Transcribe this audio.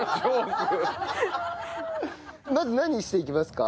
まず何していきますか？